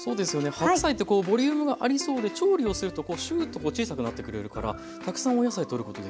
白菜ってこうボリュームがありそうで調理をするとこうシューッと小さくなってくれるからたくさんお野菜とることできますよね。